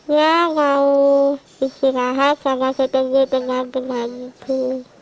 ya mau istirahat sama ketemu teman teman itu